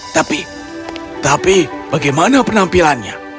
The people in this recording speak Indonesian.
tapi tapi bagaimana penampilannya